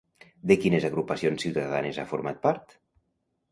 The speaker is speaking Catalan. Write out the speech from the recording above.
De quines agrupacions ciutadanes ha format part?